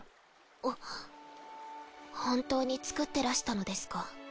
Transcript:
あ本当に作ってらしたのですか。